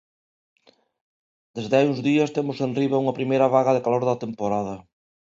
Desde hai uns días temos enriba a primeira vaga de calor da temporada.